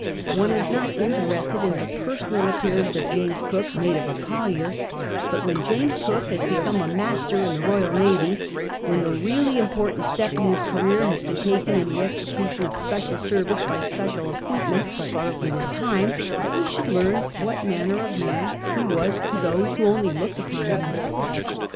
One is not interested in the personal appearance of James Cook, mate of a collier ; but when James Cook lias become a master in the Royal Navy, when the really important stop in his career has been taken in the execution of special service by special appointment, it is time that we should learn what manner of man he was to those who only looked upon him.